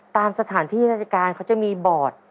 ตามสถานที่ราชการเขาจะมีบอร์ด